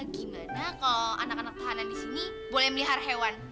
gimana kalau anak anak tahanan di sini boleh melihara hewan